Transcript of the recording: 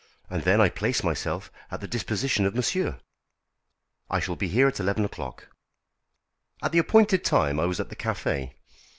and then I place myself at the disposition of monsieur." "I shall be here at eleven o'clock." At the appointed time I was at the café.